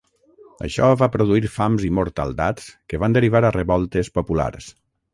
Això va produir fams i mortaldats que van derivar a revoltes populars.